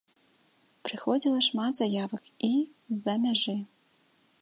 Прыходзіла шмат заявак і з-за мяжы.